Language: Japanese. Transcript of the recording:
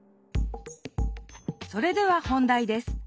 それでは本題です。